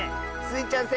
スイちゃん